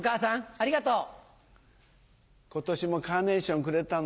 ありがとう。